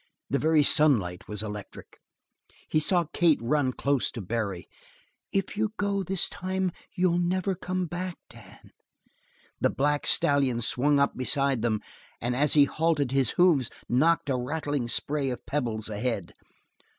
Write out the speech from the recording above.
The very sunlight was electric. He saw Kate run close to Barry. "If you go this time, you'll never come back, Dan!" The black stallion swung up beside them, and as he halted his hoofs knocked a rattling spray of pebbles ahead.